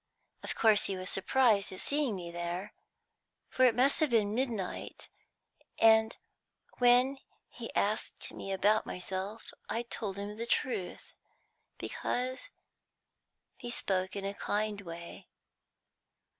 Of course he was surprised at seeing me there, for it must have been midnight, and when he asked me about myself I told him the truth, because he spoke in a kind way.